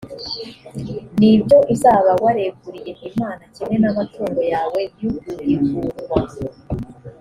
ni ibyo uzaba wareguriye imana kimwe n’amatungo yawe y’uguhigurwa.